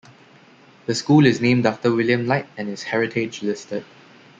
The school is named after William Light and is heritage listed.